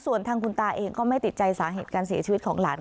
ส่วนทางคุณตาเองก็ไม่ติดใจสาเหตุการเสียชีวิตของหลาน